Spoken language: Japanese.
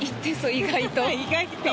意外と？